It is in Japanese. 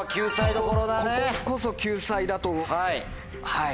こここそ救済だとはい。